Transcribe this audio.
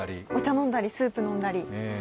飲んだりスープ飲んだり。